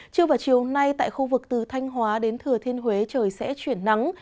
trưa và chiều nay tại khu vực từ thanh hóa đến thừa thiên huế trời sẽ chuyển nắng